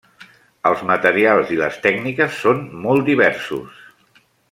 Els materials i les tècniques són molt diversos.